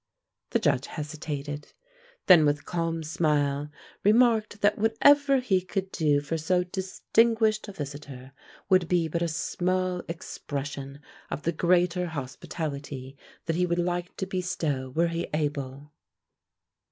The Judge hesitated, then with a calm smile remarked that whatever he could do for so distinguished a visitor would be but a small expression of the greater hospitality that he would like to bestow were he able.